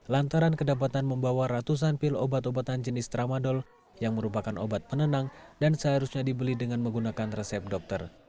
lantaran kedapatan membawa ratusan pil obat obatan jenis tramadol yang merupakan obat penenang dan seharusnya dibeli dengan menggunakan resep dokter